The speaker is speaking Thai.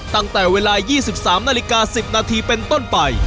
ตั้งแต่เวลา๒๓นาฬิกา๑๐นาทีเป็นต้นไป